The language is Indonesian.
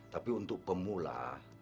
tapi untuk pemula